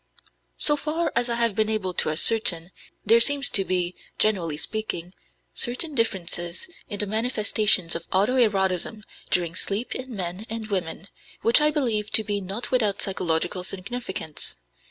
So far as I have been able to ascertain, there seem to be, generally speaking, certain differences in the manifestations of auto erotism during sleep in men and women which I believe to be not without psychological significance.